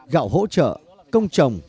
gạo hỗ trợ công trồng